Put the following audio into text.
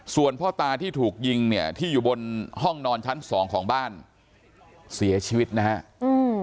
ส่วนพ่อตาที่ถูกยิงที่อยู่บนห้องนอนชั้น๒ของบ้านเสียชีวิตนะครับ